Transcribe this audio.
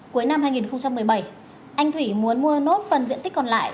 cuối năm hai nghìn một mươi bảy anh thủy muốn mua nốt phần diện tích còn lại